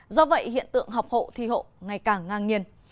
do vậy hiện tượng học hộ thi hộ ngày càng ngang nhiên